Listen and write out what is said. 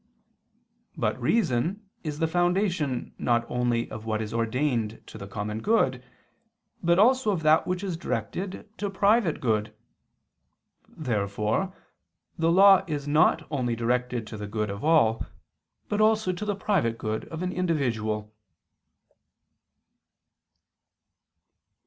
But reason is the foundation not only of what is ordained to the common good, but also of that which is directed to private good. Therefore the law is not only directed to the good of all, but also to the private good of an individual.